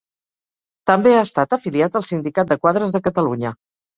També ha estat afiliat al Sindicat de Quadres de Catalunya.